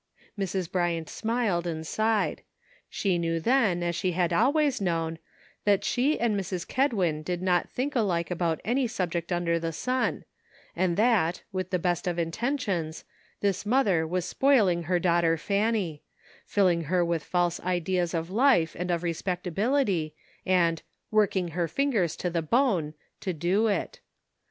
Mrs. Bryant smiled and sighed. She knew then, as she had always known, that she and Mrs. Kedwin did not think alike about any sub ject under the sun, and that, with the best of intentions, this mother was spoiling her daugh ter Fanny ; filling her with false ideas of life, and of respectability, and '' working her fingers to the bone " to do it.